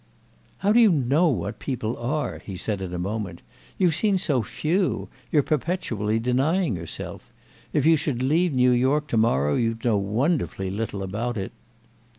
"How do you know what people are?" he said in a moment. "You've seen so few; you're perpetually denying yourself. If you should leave New York to morrow you'd know wonderfully little about it."